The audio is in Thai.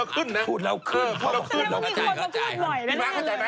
เข้าใจไหม